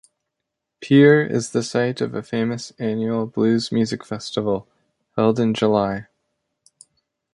Peer is the site of a famous annual blues music festival held in July.